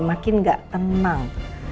makin gak tenang